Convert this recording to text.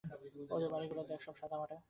ওদের বাড়ীগুলো দেখ সব সাদামাটা।